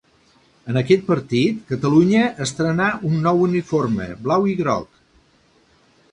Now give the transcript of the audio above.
En aquest partit Catalunya estrenà un nou uniforme, blau i groc.